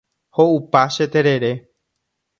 Ho’upa che terere.